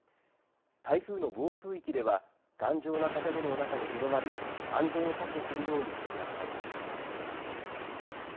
台風の暴風域では頑丈な建物の中にとどまり安全を確保するようにしてください。